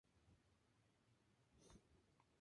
Vuelvan a la historia.